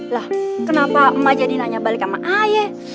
lah kenapa emak jadi nanya balik sama ayah